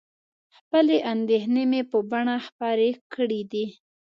خپلې اندېښنې مې په بڼه خپرې کړي دي.